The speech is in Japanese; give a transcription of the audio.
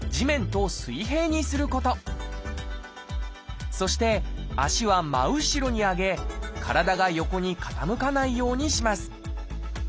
まずそして脚は真後ろに上げ体が横に傾かないようにします。